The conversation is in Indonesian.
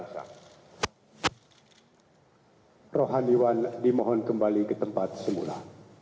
saya mohon kembali ke tempat semula